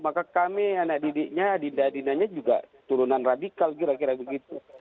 maka kami anak didiknya adinda adindanya juga turunan radikal kira kira begitu